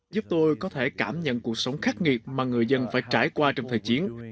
giúp tôi có thể cảm nhận cuộc sống khắc nghiệt mà người dân phải trải qua trong thời chiến